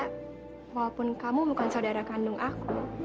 aku sudah menganggap kamu sebagai saudara kandung aku